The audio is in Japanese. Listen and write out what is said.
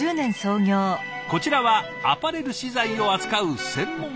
こちらはアパレル資材を扱う専門商社。